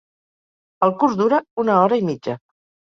El curs dura una hora i mitja.